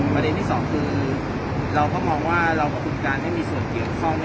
ประเด็นที่สองคือเราก็มองว่าคุณคุณกลางได้เป็นส่วนเกี่ยวข้ล